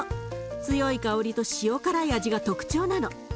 強い香りと塩辛い味が特徴なの。